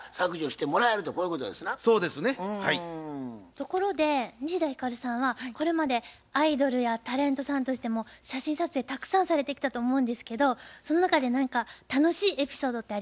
ところで西田ひかるさんはこれまでアイドルやタレントさんとしても写真撮影たくさんされてきたと思うんですけどその中で何か楽しいエピソードってありますか？